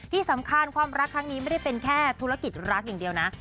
ที่สำคัญความรักครั้งนี้ไม่ได้เป็นแค่ธุรกิจรักอย่างเดียวนะ